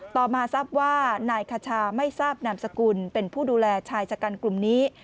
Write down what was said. ต่อมาทราบว่านายคชาไม่ทราบนามสกุลเป็นผู้ดูแลชายชะกันกลุ่มนี้